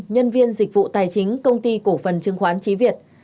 nhân viên dịch vụ tài chính công ty cổ phần chứng khoán trí việt